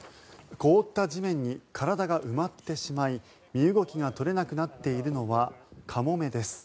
凍った地面に体が埋まってしまい身動きが取れなくなっているのはカモメです。